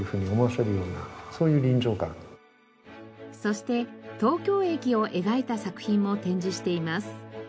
そして東京駅を描いた作品も展示しています。